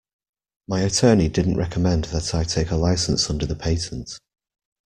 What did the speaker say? My attorney didn't recommend that I take a licence under the patent.